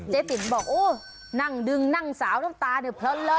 เจ๊ติ๋มบอกนั่งดึงนั่งสาวน้ำตาหนึบเผาเลย